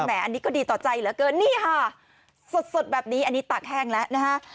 อันนี้ก็ดีต่อใจเหลือเกินนี่ค่ะสดสดแบบนี้อันนี้ตากแห้งแล้วนะฮะ